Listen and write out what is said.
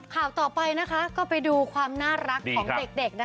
ข่าวต่อไปนะคะก็ไปดูความน่ารักของเด็ก